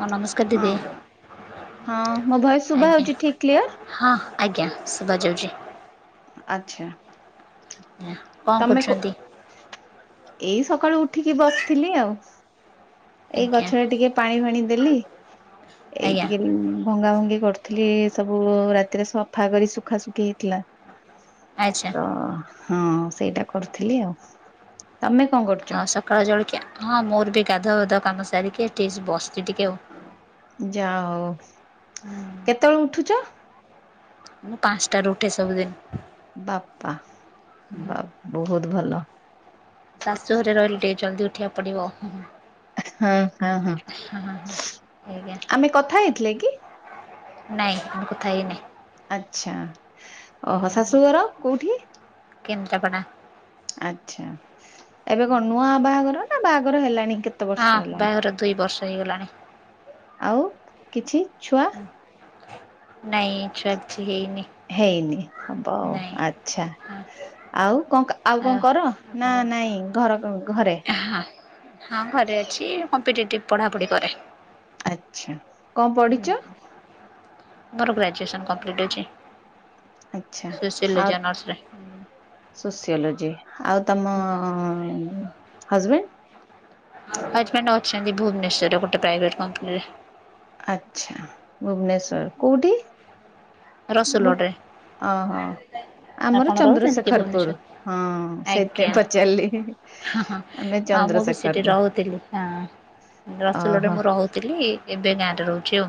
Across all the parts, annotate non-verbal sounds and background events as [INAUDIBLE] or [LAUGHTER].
ହଁ ନମସ୍କାର ହଁ ଦିଦି ହଁ ମୋ ଭଏସ ଶୁଭା ଆଜ୍ଞା ହଉଛି ଠିକ କ୍ଲିଅର ହଁ ଆଜ୍ଞା ଶୁଭାଯାଉଛି ଆଛା ଆଜ୍ଞା କଣ କରୁଛନ୍ତି ଏଇ ସକାଳୁ ଉଠିକି ବସିଥିଲି ଆଉ ଏଇ ଆଜ୍ଞା ଗଛ ଟା ଟିକେ ପାଣି ଫାଣି ଦେଲି ଏଇ ଆଜ୍ଞା ଟିକେ ଭଙ୍ଗା ଭଙ୍ଗି କରୁଥିଲି ସବୁ ରାତିରେ ସଫା କରି ସୁୁଖା ଶୁଖି ହେଇଥିଲା ଆଚ୍ଛା ତ ହଁ ସେଇଟା କରୁଥିଲି ଆଉ ତମେ କଣ କରୁଛ ଆଉ ସକାଳ ଜଳିକିଆ ହଁ ମୋର ବି ଗାଧବଧ କାମ ସାରିକି ଟିକ ବସିଛି ଟିକିଏ ଆଉ ଯାଅ ହୁଁ, କେତେବେଳ ଉଠୁଛ ମୁ ପାଞ୍ଚଟା ରୁଉଠେ ସବୁଦିନ ବାପା ବାପ ବହୁତ ଭଲ ଶାଶୁ ଘରେ ରହିଲେ ଟିକେ ଜଲ୍ଦି ଉଠିବାକୁ ପଡିବ ହଁ ହଁ ହଁ ଆଜ୍ଞା ଆମେ କଥା ହେଇଥିଲେ କି ନାଇଁ ଆମେ କଥା ହେଇନହିଁ ଆଚଛା ଓ ଶାଶୁଘର କୋଉଠି କେନ୍ିତାାପଡ଼ା ଆଚ୍ଛା ଏବେ କଣ ନୂଆ ବାହାଘର ନା ବାହାଘର ହେଲାଣି କେତେ ହଁ ବର୍ଷ ହେଲା? ବାହାଘର ଦୁଇ ବର୍ଷ ହେଇଗଲାଣି ଆଉ କିଛି ଛୁଆ ନାଇ ଛି ହେଇନ ହେଇନି ହବଉ ଆଚଛା ହଁ ଆଉ କଣ ଆଉ କଣ କର ନା ନାଇଁ ଘର ଘରେ ହଁ ହଁ ଘରେ ଅଛି କମ୍ପିଟେଟିଭ ପଢାପଢି କରେ ଆଚ୍ଛା କଣ ପଢିଛ ମୋର ଗ୍ରାଜୁଏସନ୍ କମ୍ପ୍ଲିଟ୍ ଅଛି ଆଚ୍ଛା ଆଉ ସୋସିିଲଡିଜ ଅନର୍ସରେ ସୋସିଓଲୋଜି ଆଉ ତମ ହଜବେଣ୍ଡ ହଜବେଣ୍ଡ ଅଛନ୍ତି ଭୁବନେଶ୍୍ୱରରେ ଗୋଟେ ପ୍ରାଇଭେଟ କମ୍ପାନୀରେ ଆଚ୍ଛା ଭୁବନେଶ୍ଵର କୋଉଠି? ମୁଁ ରସୁଲଗଡ଼ରେ ଅହଁ। ଆମର ଆପଣ ରହୁଛନ୍ତି କି ଚନ୍ଦ୍ରଶେଖରପୁର ଭୁବନେଶ୍ୱର ହଁ ସେଇଥିପାଇଁ ପଚାରଲି। ଆଉ ମୁଁ ବି ସେଠି ରହୁଥିଲି ହଁ ରସୁଲଗଡରେ ଓହୋ ମୁଁ ରହୁ ଥିଲି ଏବେ ଗାଁରେ ରହୁଚି ଆଉ।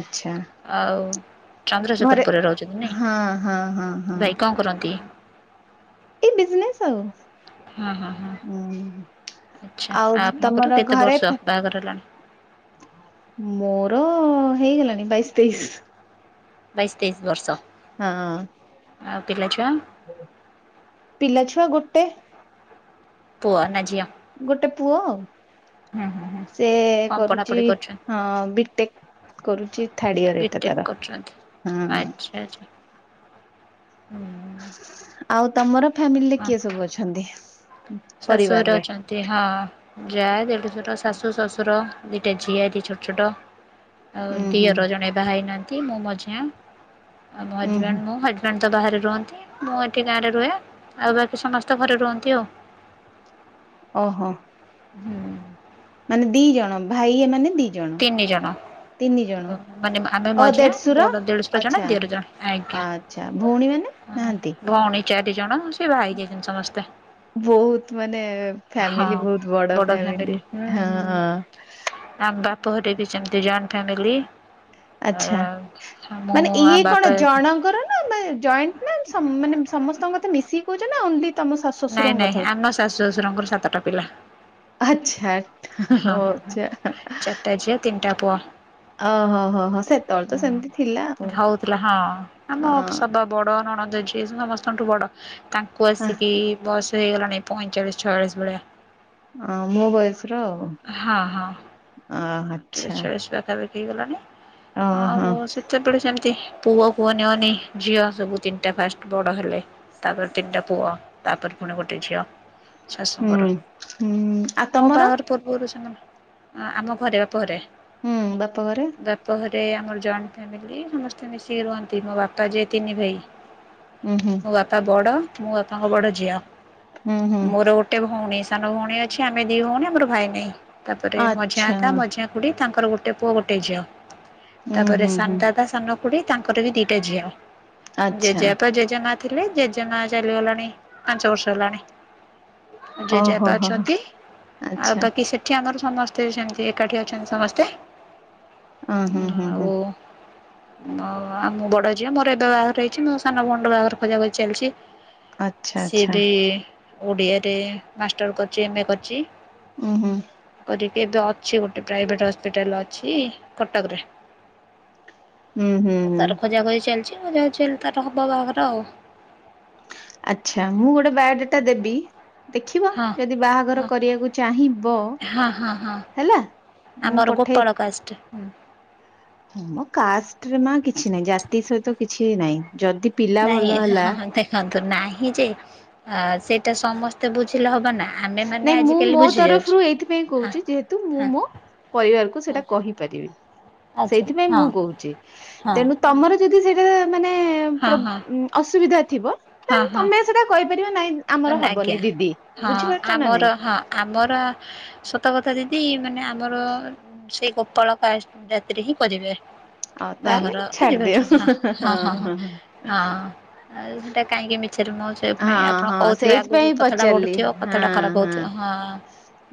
ଆଚ୍ଛା। ଆଉ ଘରେ ଚନ୍ଦ୍ରଶେଖରପୁରରେ ରହୁଚନ୍ତି ହଁ ହଁ ହଁ ହଁ ନାଇଁ ଭାଇ କଣ କରନ୍ତି? ଏଇ ବିଜନେସ୍ ଆଉ। ହୁଁ ହୁଁ ହୁଁ। ହୁଁ ଆଉ ତମର କେତେ ବର୍ଷ ଘରେ ଫେ ବାହାଘର ହେଲାଣି? ମୋର ହେଇଗଲାଣି ବାଇଶ୍ ତେଇଶ୍। ବାଇଶ୍ ତେଇଶ୍ ବର୍ଷ। ହଁ। ଆଉ ପିଲା ଛୁଆ? ପିଲାଛୁଆ ଗୋଟେ। ପୁଅ ନା ଝିଅ? ଗୋଟେ ପୁଅ ଆଉ ହୁଁ ହୁଁ ହୁଁ ସିଏ କଣ କରୁଚି ପଢ଼ାପଢ଼ି କରୁଛନ୍ତି? ହଁ ବିଟେକ୍ କରୁଚି ଥାର୍ଡ୍ ଇୟର ଏଇଟା ତାର ହଁ। ଏ ଆଛା। ଉଁ ଆଉ ତମର ଫ୍ୟାମିଲିରେ କିଏ ସବୁ ଅଛନ୍ତି? ଶାଶୁ ଘରେ ପରିବାରରେ? ଅଛନ୍ ତି ହଁ ଯାଆ ଦେଢ଼ଶୁର, ଶାଶୁ, ଶଶୁର, ଦିଇଟା ଝିଆରୀ ଛୋଟଛୋଟ। ଆଉ ଉୁଁ ହୁଁ ଦିଅର ଜଣେ ବାହା ହେଇନାହାନ୍ତି ମୁଁ ମଝିଆଁ ଆଉ ମୋ ଉୁଁ ହୁଁ ହଜବେଣ୍ଡ ମୁଁ ହଜ୍ ବେଣ୍ଡ୍ ତ ବାହାରେ ରୁହନ୍ତି, ମୁଁ ଏଠି ଗାଁରେ ରୁହେ ଆଉ ବାକି ସମସ୍ତେ ତ ଘରେ ରୁହନ୍ତି ଆଉ। ଓହୋ। ହୁଁ। ମାନେ ଦିଜଣ ଭାଇ ଏମାନେ ଦି ଜଣ ତିନି ଜଣ। ତିନି ଜଣ ମାନେ ଆମେ ଓ ମଝିଆ ଦେଢଶୁର ବଡ ଦେଢଶୁର ଜଣେ ଆଛା ଦିଅର ଜଣେ ଆଜ୍ଞା। ଆଛା ଭୋଉଣୀମାନେ? ନାହାନ୍ତି। ଚାରିଜଣ ସେ ବାହା ହେଇଯାଇଚନ୍ତି ସମସ୍ତେ। ବୋହୁତ ମାନେ ଫ୍ୟାମିଲି ହଁ ବୋହୁତ ବଡ ବଡ଼ ଫ୍ୟାମିଲି ହୁଁ ହୁଁ। ହଁ। ଆମ ବାପଘରେ ବି ସେମତି ଜଏଣ୍ଟ୍ ଫାମିଲି। ଆଛା ମାନେ ମୋ ଆମ ଇଏ କଣ ବାପା ଜଣଙ୍କର ନା ମା ଜଏଣ୍ଟ୍ ନା ସ ମାନେ ସମସ୍ତଙ୍କ କଥା ମିଶିକି କୋହୁଚ ନା ଓନ୍ଲି ତମ ଶାଶୁ ନାଇଁ ଶ୍ୱଶୁରଙ୍କ ନାଇଁ ଆମ ଶାଶୁ ଶଶୁରଙ୍କର ସାତଟା ପିଲା। ଆଛା ଆ ଓ ଆଛା। ତିନଟା ପୁଅ। ଓହୋ ହୋ ହୋ ସେତୋଳେ ତ ସେମତି ଥିଲା ହୁଁ ଆଉ ଅ। ବଡ଼ ନଣନ୍ଦ ଝିଅ ସେ ସମସ୍ତଙ୍କଠୁ ବଡ଼ ତାଙ୍କୁ ଆସିକି ବୟସ ହେଇଗଲାଣି ପଇଁଚାଳିଶ ଛୟଳିଶ ଭଳିଆ। ଅଁ ମୋ ବୟସର ଆଉ। ହଁ। ହଁ। ଅ ପଇଁଚାଳିଶ ଆଚ୍ଛା ଛୟାଳିଶ ପାଖାପାଖି ହେଇଗଲାଣି ଆଉ ଓହୋ ମୋ ସେଇ ସେପଟେ ସେମତି ପୁଅକୁ ଅନେଇ ଅନେଇ ଝିଅସବୁ ତିନଟା ଫାଷ୍ଟ ବଡ ହେଲେ। ତାପରେ ତିନଟା ପୁଅ ତାପରେ ଫୁଣି ଗୋଟେ ଝିଅ। ହୁଁ ଶାଶୁଙ୍କର ହୁଁ ଆଉ ମୋ ତମର? ବାହାଘର ପୂର୍ବରୁ ସାଙ୍ଗନା ଆ ଆମ ଘରେ ବାପଘରେ। ହୁଁ ବାପଘରେ? ବାପ ଘରେ ଆମର ଜଏଣ୍ଟ ଫ୍ୟାମିଲି ସମସ୍ତେ ମିଶିକି ରୁହନ୍ତି ମୋ ବାପା ଯେ ତିନି ଭାଇ। ଉଁ ହୁଁ। ମୋ ବାପା ବଡ ମୁଁ ତାଙ୍କ ବଡ ଝିଅ ହୁଁ ହୁଁ। ମୋର ଗୋ ଗୋଟେ ଭଉଣୀ ସାନ ଭଉଣୀ ଅଛି ଆମେ ଦି ଭଉଣୀ ଆମର ଭାଇ ନାଇଁ ତାପରେ ମଝିଆ ଆଚ୍ଛା ଦାଦା ମଝି [UNINTELLIGIBLE] ଖୁଡି ତାଙ୍କର ଗୋଟେ ପୁଅ ଗୋଟେ ଝିଅ ହୁଁ ତାପରେ ହୁଁ ସାନ ହୁଁ ଦାଦା ସାନ ଖୁଡି ତାଙ୍କର ବି ଦିଟା ଝିଅ ଆଚ୍ଛା ଜେଜେ ବାପା ଜେଜେମା। ଥିଲେ ଜେଜେମା ଚାଲିଗଲାଣି ପାଞ୍ଚ ବର୍ଷ ହେଲାଣି। ଜେଜେ ଓହୋ ବାପା ହୋ ହୋ ଅଛନ୍ତି ଆଉ ଆଚ୍ଛା। ବାକି ସେ ଠି ଆମର ସମସ୍ତେ ସେମିତି ଏକାଠି ଅଛନ୍ତି ସମସ୍ତେ। ଓ ହୁଁ ଉଁ ହୁଁ ହୁଁ ଆଉ। ଉଁ ଆଉ ଆ ମୁଁ ବଡ ଝିଅ ମୋର ଏବେ ବାହାଘର ହେଇଛି ମୋ ସାନ ଭଉଣୀର ବାହାଘର ଖୋଜାଖୋଜି ଚାଲିଛି। ଆଚ୍ଛା ସିଏ ଆଚ୍ଛା ବି ଓଡ଼ିଆରେ ମାଷ୍ଟର କରିଛି ଏମ ଏ କରିଛି। ଉଁ ହୁଁ। କରିକି ଏବେ ଅଛି ଗୋଟେ ପ୍ରାଇଭେଟ ହସ୍ପିଟାଲ ଅଛି କଟକରେ। ହୁଁ ହୁଁ ଆଉ ହୁଁ। ତାର ଖୋଜାଖୋଜି ଚାଲିଛି ଆଉ [UNINTELLIGIBLE] ତାର ହବ ବାହାଘର ଆଉ। ଆଚ୍ଛା ମୁଁ ଗୋଟେ ବାୟୋ ଡାଟା ଦେବି। ଦେଖିବ ହଁ। ଯଦି ବାହାଘର ହଁ କରିବାକୁ ଚାହିଁବ ହଁ ହଁ ହଁ ହେଲା। ମୁଁ ଆମର ପଠେଇ ଗୋପାଳ କାଷ୍ଟ। ହୁଁ। ହଁ ମ କାଷ୍ଟରେ ମା କିଛି ନାହିଁ ଜାତି ସହିତ କିଛି ନାଇଁ ଯଦି ପିଲା ନାଇଁ ଭଲ ହେଲା। ହଁ ହଁ ଦେଖନ୍ତୁ ନାହିଁ ଯେ ଆ ସେଇଟା ସମସ୍ତେ ବୁଝିଲେ ହବ ନା। ଆମେ ମାନେ ନାଇଁ ମୁଁ ଆଜିକାଲି ମୋ ବୁଝି ଯାଉଛୁ। ତରଫରୁ ଏଇଥିପାଇଁ ହଁ କହୁଛି ଯେହେ ତୁ ମୁଁ ହଁ ମୋ ପରିବାରକୁ ହଁ ସେଟା କହିପାରିବି। ଆଚ୍ଛା ସେଇଥିପାଇଁ ମୁଁ ହଁ କହୁଛି ହଁ। ତେଣୁ ତମର ଯଦି ସେଇଟା ମାନେ ହଁ ପ୍ରୋ ହଁ ଉଁ ଅସୁବିଧା ଥିବ। ହଁ ଦେନ୍ ହଁ। ତମେ ସେଟା କହିପାରିବା ନାଇଁ ଆମର ହବନି ଆଜ୍ଞା ଦିଦି ହଁ ବୁଝିପାର ଆମର ହଁ ଆମର ସତ କଥା ଦିଦି ମାନେ ଆମର। ସେଇ ଗୋପାଳ କାସ୍ଟ ଜାତିରେ ହିଁ କରିବେ। ବାହାଘର ବୁଝି ପାରୁଛନ୍ତି ହଁ ହଁ ହଁ ହଁ ହଁ। ଆଉ ସେଇଟା କାହିଁକି ମିଛରେ ମୁଁ ସେ ପାଇଁ ହଁ ଆପଣ ହଁ କହୁଥିବେ ଆଗକୁ ସେଇଥିପାଇଁ କଥାଟା ପଚାରିଲି। ବଢୁଥିବ ହଁ କଥାଟା ଖରାପ ହଁ। ହଉଥିବ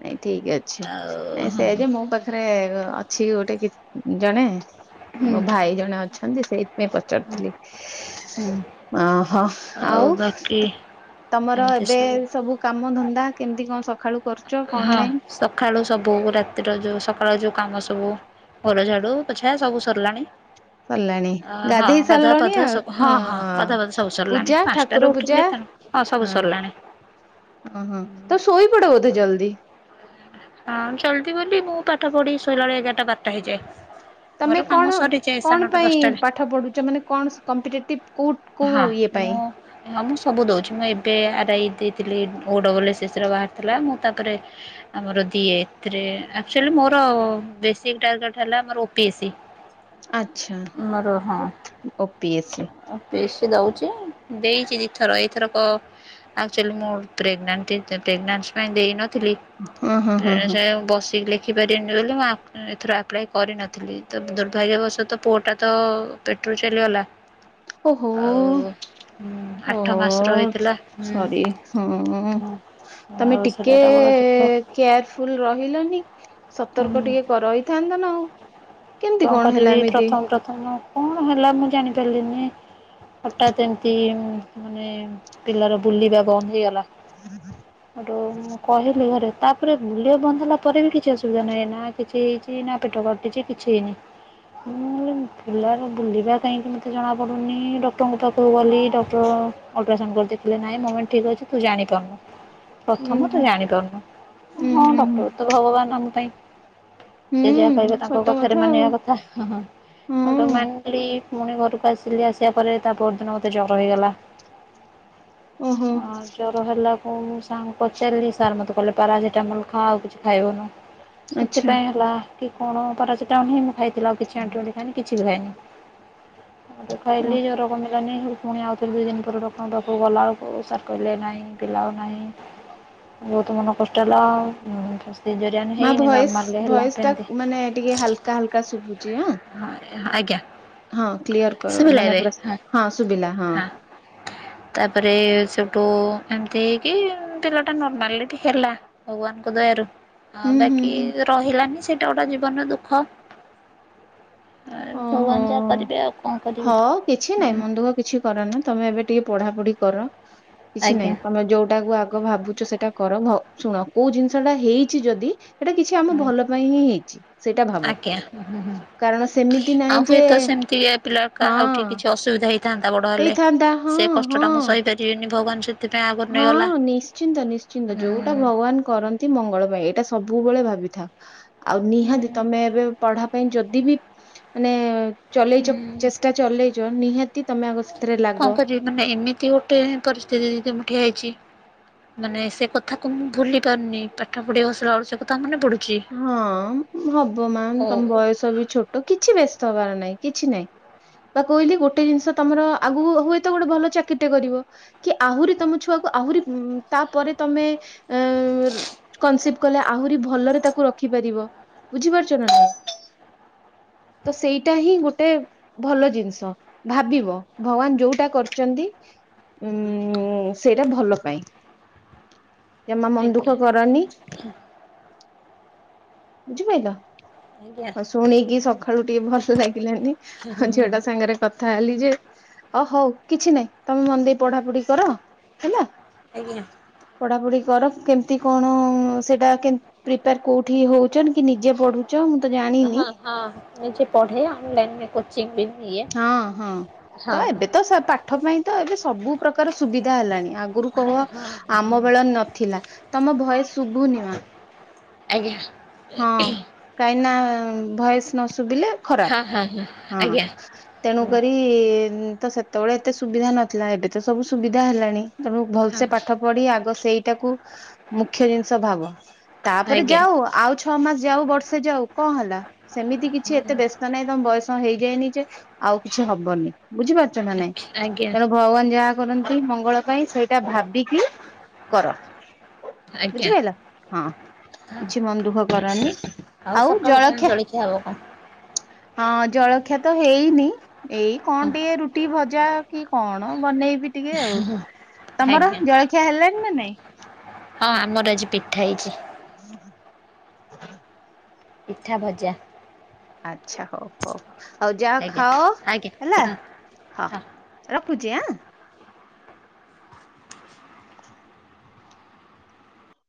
ନାଇଁ ଠିକ ଅଛି ଆଉ ନାଇଁ ହଁ ସେୟା ଯେ- ମୋ ପାଖରେ କ ଅଛି ଗୋଟେ କି ଜଣେ ହୁଁ ମୋ ଭାଇ ଜଣେ ଅଛନ୍ତି ସେଇ। ପାଇଁ ପଚାରୁଥିଲି। ହୁଁ। ଓହୋ। ଆଉ ବାକି। ତମର ଏବେ ସବୁ କାମ ଧନ୍ଦା କେମିତି କଣ ସକାଳୁ କରୁ ହଁ ସକାଳୁ ସବୁ ରାତିର ଯୋଉ ସକାଳୁ ଯୋଉ କାମ ସବୁ। ଘର ଝାଡୁ ପୋଛା ସବୁ ସରିଲାଣି। ସରିଲାଣି ଅ ହଁ ଗାଧେଇ ଗାଧୁଆ ସାରିଲଣି ପାଧୁଆ ଆଉ ସବୁ ହଁ ହଁ ଗାଧୁଆ ପାଧୁଆ ସବୁ ସରିଲାଣି ପୂଜା ପାନସ ଠାକୁର ଟାରୁ ପୂଜା ଉଠିଲି ତା ହଁ ସବୁ ସରିଲାଣି। ଅ ହଁ ତ ଶୋଇ ପଡ ବୋଧେ ଜଲ୍ଦି? ହଁ ଜଲଦି ବୋଲି ମୁଁ ପାଠ ପଢି ଶୋଇଲା ବେଳେ ଏଗାରଟା ବାରଟା ହେଇଯାଏ ତମେ ମୋର କଣ କାମ ସରି କଣ ପାଇଁ ପାଠ ପଢୁଛ ମାନେ କଣ ସ କମ୍ପିଟେଟିଭ କୋଉ କୋଉ ହଁ ଇଏ ପାଇଁ? ମୁଁ ହଁ ମୁଁ ସବୁ ଦଉଛି ମୁଁ ଏବେ ଆର୍ ଆଇ ଦେଇଥିଲି ଓ ଡବଲ୍ ଏସ୍ ଏସ୍ ସି ର ବାହାରିଥିଲା ମୁଁ ତାପରେ। ହ! ଆମର ଦିଏ ଏଥିରେ ଆକଚୁଲି ମୋର ବେଶୀ ଟାର୍ଗେଟ ହେଲା ମୋର ଓ ପି ଏ ସି। ଆଚ୍ଛା ମୋର ହଁ ଓ O P A C. O P A C ଦଉଛି ଦେଇଛି ଦିଥର ଏଇଥରକ। ଆକ୍ଚୁଆଲି ମୁଁ ପ୍ରେଗନେଣ୍ଟ ତି ପ୍ରେଗନେନ୍ସ୍ ପାଇଁ ଦେଇନଥିଲି--ଦେଇନଥିଲି। ହଁ ହଁ ହଁ ହଁ ପ୍ରେଣେସାୟ ବସିିକିଲେକ୍ ଶଖିପାରିବିନି ବୋଲି, ମୁଁ ଆପ୍ ଏଥିର ଆପ୍ଲାଏ କରିନଥିଲି। ତ ଦୁର୍ଭାଗ୍ୟବଶ ତ ପୁଅଟା ତ-ଅ ପେଟରୁ ଚାଲିଗଲା। ଓହୋ! ଆଉ ଆଠ ମାସର ଓହୋଓ! ହେଇଥିଲା। ସରି ହୁଁ ଉଁ ହଁ ତମେ ଆଉ ସେଇଟା ତ ଟିକେ-ଏ ବଡ଼ ଦୁଃଖ। କେୟାରଫୁଲ ରହିଲନି? ସତର୍କ ଟିକେ କ ରହିଥାନ୍ତ ନା ଆଉ। କେମିତି କଣ ହେଲା ଏମିତି? ତ ମୋ କଣ ହେଲା ମୁଁ ଜାଣି ପାରିଲିନି? ହଠାତ୍ ଏମତି ମାନେ, ପିଲାର ବୁଲିବା ବନ୍ଦ ହେଇଗଲା ହେଠୁ ମୁଁ କହିଲି ଘରେ। ତା'ପରେ ବୁଲିଆ ବନ୍ଦ ହେଲା ପରେ ବି କିଛି ଅସୁବିଧା ନାହିଁ। ନା କିଛି ହେଇଛି ନା ପେଟ କାଟିଛି, କିଛି ହେଇନି। ମୁଁ, ପିଲାର ବୁଲିବା କାହିଁକି ମୋତେ ଜଣାପଡ଼ୁନି? ଡକ୍ଟରଙ୍କ ପାଖକୁ ଗଲି ଡକ୍ଟର ଅଲଟ୍ରାସାଉଣ୍ଡ କରି ଦେଖିଲେ ନାଇଁ ମୋମେଣ୍ଟ ଠିକ୍ ଅଛି ତୁ ଜାଣିପାରୁନୁ? ଉୁଁ ପ୍ରଥମ ହୁଁ ତୁ ଜାଣିପାରୁନୁ। ଉଁ ହଁ, ଡକ୍ଟର ହୁଁ ତ ଭଗବାନ ଆମ ପାଇଁ। ହୁଁ ସେ ଯାହା କହିବେ, ହୁଁ ତାଙ୍କ ସତ କଥାରେ କଥା ଆଉ ମାନିବା କଥା। ହଁ, ହଁ ବଟ୍ ମାନ୍ କାଲି, ପୁଣି ଘରକୁ ଆସିଲି। ଆସିବା ପରେ, ତା ପରଦିନ ମତେ ଜର ହେଇଗଲା। ଓହୋ! ଅଁ ଜର ହେଲାକୁ ସାର୍ଙ୍କୁ ପଚାରିଲି ସାର୍ ମତେ କହିଲେ ପାରାସିଟାମଲ୍ ଖାଆ। ଆଉ କିଛି ଖାଇବୁନୁ। ଆଚ୍ଛା ସେଥିପାଇଁ ହେଲା କି କଣ? ପରସିଟାମଲ୍ ହିଁ ମୁଁ ଖାଇଥିଲ। କିଛି ଆଣ୍ଟିବାଟିକ୍ ଖାଇନି କିଛି ବି ଖାଇନି। [UNINTELLIGIBLE] ଓ ଖାଇଲି ଜର କମିଲାନି, ହେଠୁପୁଣି ଆଉଥରେ ଦୁଇ ଦିନ ପରେ ଡ଼କ୍ ଙ୍କ ପାଖକୁ ଗଲାଅଳକୁ, ସାର୍ କହିଲେ ନାହିଁ। ପିଲା ଆଉ ନାହିଁ। ବହୁତ ମନ କଷ୍ଟ ହେଲା ଆଉ। [UNINTELLIGIBLE] ମାଁ ହେଇନି ଭଏସ୍, ନର୍ମାଲରେ ହେଲା ଭଏସ୍ ଟା ସେମିତି। ମାନେ ଟିକେ ହାଲ୍କା ହାଲ୍କା ଶୁଭୁଛି ହାଁ। ହଁ, ଆଜ୍ଞା। ହଁ, କ୍ଲିୟର କର। ଶୁଭିଲା ମାନେ ଏବେ ପୁରା ହଁ, ଶୁଭିଲା ହଁ। ତା'ପରେ ସେଠୁ ଏମତି ହେଇ କି-ଇ, ପିଲାଟା ନର୍ମାଲଟି ହେଲା ଭଗବାନଙ୍କ ଦୟାରୁ। ଆଉ, ହୁଁ ହୁଁ ବାକି ହୁଁ ରହିଲାନି ସେଇଟା ଗୋଟେ ଜୀବନର ଦୁଃଖ। ଏ ଭଗବାନ ଯାହା ଓହୋ କରିବେ, ଆଉ କଣ ହଁ କରିବି? କିଛି ନାହିଁ ହୁଁ। ମନ ଦୁଃଖ କିଛି କର ନା। ତମେ ଏବେ ଟିକେ ପଢାପଢି କର, କିଛି ଆଜ୍ଞା ନାଇଁ। ତମେ ଯୋଉଟାକୁ ଆଗ ଭାବୁ ସେଟା କର। ଭ ଶୁଣ କୋଉ ଜିନିଷ ଟା ହେଇଛି ଯଦି ସେଇଟା କିଛି ଆମ ହୁଁ ଭଲ ପାଇଁ ହିଁ ହେଇଛି। ସେଇଟା ଭାବ। ଆଜ୍ଞା ହୁଁ ହୁଁ। କାରଣ ସେମିତି ଆଉ, ନାହିଁ ଯେ ହୁଏତ ସେମିତି ଏ ପିଲା କା ଆଉ ଟିକେ ହଁ କିଛି ଅସୁବିଧା ହେଇ ଥାନ୍ତା ବଡ ହେଲେ। ହେଇଥାନ୍ତା ହଁ ସେ କଷ୍ଟ ହଁ। ଟା ମୁଁ ସହିପାରିବିନି। ଭଗବାନ ସେତ ହଁ, ନିଶ୍ଚିନ୍ତ ନିଶ୍ଚିନ୍ତ ହୁଁ ଯୋଉଟା ଭଗବାନ କରନ୍ ନ୍ତି ମଙ୍ଗଳ ପାଇଁ ଏଇଟା ସବୁବେଳେ ଭାବିଥାଅ। ଆଉ, ହୁଁ। ନିହାତି ତମେ ଏବେ ପଢା ପାଇଁ ଯଦି ବି ମାନେ-ଏ ଚଲେଇଚ ହୁଁ ଚେଷ୍ଟା ଚଲେଇଚ, ନିହାତ୍ ତି ତମେ ଆଗ ସେଥିରେ କଣ ଲାଗ। କରିବି ମାନେ, ଏମିତି ଗୋଟେ ପରିସ୍ଥିତି ଦିଦି ମୁଁ ଠିଆ ହେଇଛି। ମାନେ ସେ କଥାକୁ ମୁଁ ଭୁଲି ପାରୁନି। ପାଠ ପଢିବାକୁ ବସିଲା ଆଳ ସେ କଥା ମନେ ପଡ଼ୁ ହଁ, ହବ ମାମ୍ ହଉ ତମ ବୟସ ବି ଛୋଟ। କିଛି ବ୍ୟସ୍ତ ହବାର ନାହିଁ, କିଛି ନାଇଁ। ବା କହିଲି ଗୋଟେ ଜିନିଷ ତମର ଆଗକୁ ହୁଏ ତ, ଗୋଟେ ଭଲ ଚାକିରିଟେ କରିବ। କି ଆହୁରି ତମ ଛୁଆକୁ ଆହୁରି ତା'ପରେ ତମେ -ଏଁ-ଏ କନ୍ ସିଭ କଲେ ଆହୁରି ଭଲରେ ତାକୁ ରଖିପାରିବ। ବୁଝିପାରୁଛ ନା ନାଇଁ! ତ ସେଇଟା ହିଁ ଗୋଟେ ଭଲ ଜିନିଷ ଭାବିବ! ଭଗବାନ ଯୋଉଟା କରିଚନ୍ତି ଉଁ-ଉଁ -ଉଁ ସେଇଟା ଭଲ ପାଇଁ। ହ ଜମା ମନ ଦୁଃଖ କରନି। ବୁଝିପାଇଲ? ଆଜ୍ଞା ତ ଶୁଣିକି ସଖାଳୁ ଟିକେ ଭଲ ଲାଗିଲାନି। ହଁ ଝିଅଟା ସାଙ୍ଗରେ କ ଖାଲି ଯେ ଓ ହଉ କିଛି ନାହିଁ ତୋମେ ମନ ଦେଇ ପଢା ପଢି କର ହେଲା। ଆଜ୍ଞା। ପଢାପଢି କର କେମତି କଣ ସେଟା କେ ପ୍ରିପିୟାର କୋଉଠି ହଉଚନ କି ନିଜେ ପଢୁଛ ମୁଁ ତ ଜାଣିନି। ହଁ, ହଁ ନିଜେ ପଢେ ଅନଲାଇନ୍ ରେ କୋଚିଂ ବି ନିଏ। ହଁ, ହଁ, ହଁ ତ ଏବେ ତ ସେ ପା ପାଠ ପାଇଁ ତ ଏବେ ସବୁ ପ୍ରକାର ସୁବିଧା ହେଲାଣି। ଆଗରୁ କହ ହଁ ହଁ ଆମ ବେଳ ନଥିଲା। ତୋମ ଭଏସ୍ ଶୁଭୁନି ମା। ଆଜ୍ଞା। କାଇଁନା ଭଏସ୍ ନ ଶୁବିଲେ ହଁ, ହଁ, ହଁ, ଆଜ୍ଞା। ତେଣୁକରି ହଁ ଉଁ, ତ ସେତେବେଳେ ଏତେ ସୁବିଧା ନଥିଲା ଏବେ ତ ସବୁ ସୁବିଧା ହେଲାଣି। ତେଣୁ ଆଜ୍ଞା ଭଲସେ ପାଠ ପଢି ଆଗ ସେଇଟାକୁ ମୁଖ୍ୟ ଜିନିଷ ଭାବ। ତାପରେ ଆଜ୍ଞା ଯାଉ ଆଉ ଛଅ ମାସ ଯାଉ ବର୍ଷେ ଯାଉ କଣ ହେଲା ସେମିତି କିଛି ଏତେ ବେସ୍ ତ ନାଇ ତୋମ ବୟସ ହେଇଯାଇନି ଯେ ଆଉ କିଛି ହବନି। ବୁଝିପାରୁଛ ନା ନାଇଁ ତେଣୁ ଆଜ୍ଞା। ଭଗବାନ ଯାହା କରନ୍ତି ମଙ୍ଗଳ ପାଇଁ ସେଇଟା ଭାବିକି କର। ବୁଝିପାଇଲ ହଁ ହଁ କିଛି ମନ ଦୁଃଖ କରନି। ଆଉ ସକାଳୁ କଣ ଜଳଖିଆ ହବ କଣ? ହଁ ଜଳଖିଆ ତ ହେଇନି। ଏଇ କଣ ହଁ ଟିକେ ରୁଟି ଭଜା କି କଣ ବନେଇବି ଟିକେ ଆଉ। ତୋମର ଆଜ୍ଞା ଜଳଖିଆ ହେଲାଣିି ନା ନାଇଁ? ହଁ ଆମର ଆଜି ପିଠା ହେଇଛି। [UNINTELLIGIBLE] ପିଠା, ଭଜା। ଆଚ୍ଛା ହଉ ହଉ ହଉ ଯାଅ ଆଜ୍ଞା। ଖାଅ ଆଜ୍ଞା ହେଲା ହଁ ହୋ। ହଁ। ରଖୁଚି ଆଁ,।